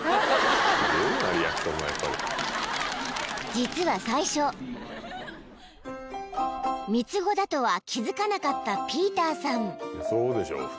［実は最初三つ子だとは気付かなかったピーターさん］